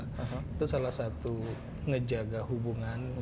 itu salah satu ngejaga hubungan